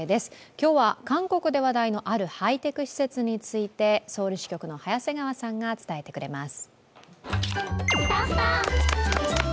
今日は韓国で話題の、あるハイテク施設についてソウル支局の早瀬川さんが伝えてくれます。